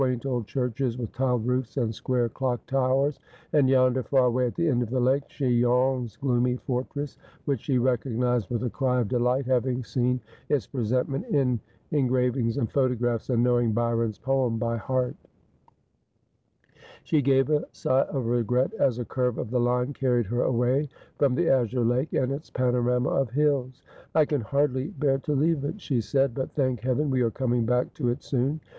unt oM churches, with tiled roofs and square clock towers ; and yondor, far av/ay at the end of the lake, Chillou's gloomy fortress, which she rt'covniised with a cry of delight, hivving si en its presentment in engravings and photographs, and knowing Byron s poem by heart. 'Forbid a Love and it is ten Times so tvode.' 287 She gave a sigh of regret as a curve of the line carried her away from the azure lake and its panorama of hills. ' I can hardly bear to leave it,' she said ;' but, thank Heaven, we are coming back to it soon.'